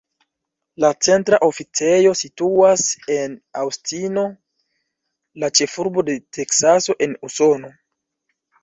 La centra oficejo situas en Aŭstino, la ĉefurbo de Teksaso en Usono.